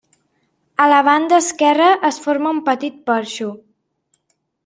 A la banda esquerra es forma un petit porxo.